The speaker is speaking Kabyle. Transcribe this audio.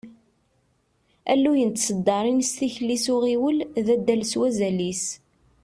Alluy n tseddaṛin s tikli s uɣiwel, d addal s wazal-is.